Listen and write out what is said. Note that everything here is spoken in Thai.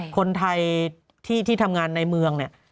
คนไทยที่ทำงานในเมืองเนี่ย